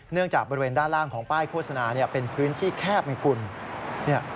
เนื่องจากบริเวณด้านล่างของป้ายโฆษณาเนี้ยเป็นพื้นที่แคบมันกลุ่นเนี้ย